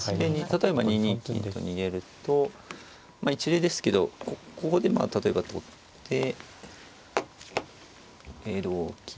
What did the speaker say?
例えば２二金と逃げると一例ですけどここで例えば取って同金。